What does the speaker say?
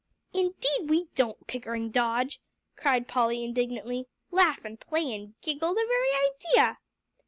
"Indeed we don't, Pickering Dodge," cried Polly indignantly, "laugh and play and giggle, the very idea!"